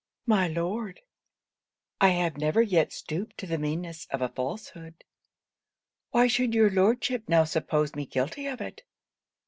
'My Lord, I have never yet stooped to the meanness of a falsehood. Why should your Lordship now suppose me guilty of it?